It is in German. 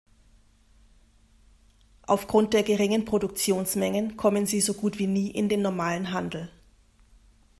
Aufgrund der geringen Produktionsmengen kommen sie so gut wie nie in den normalen Handel.